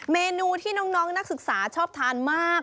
เมนูที่น้องนักศึกษาชอบทานมาก